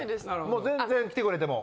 もう全然来てくれても。